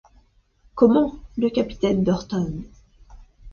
Comment ! le capitaine Burton…